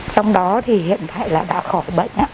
trong đó thì hiện tại là đã khỏi bệnh